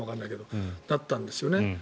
そうだったんですよね。